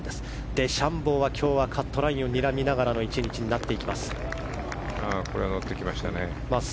デシャンボーは今日はカットラインをにらみながらの１日になっていきます。